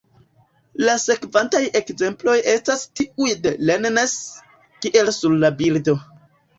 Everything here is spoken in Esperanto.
La sekvantaj ekzemploj estas tiuj de Rennes, kiel sur la bildo.